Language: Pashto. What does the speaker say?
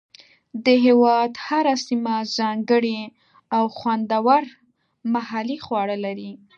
د هېواد هره سیمه ځانګړي او خوندور محلي خواړه لري.